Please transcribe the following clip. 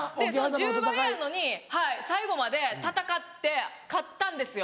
１０倍やのに最後まで戦って勝ったんですよ